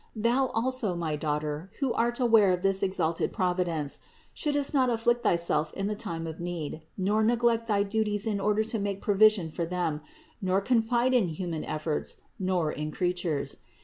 Thou also, my daughter, who art aware of this exalted Providence, shouldst not afflict thyself in the time of need, nor neglect thy duties in order to make provision for them, nor con fide in human efforts, nor in creatures.